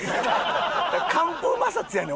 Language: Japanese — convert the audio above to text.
乾布摩擦やねん！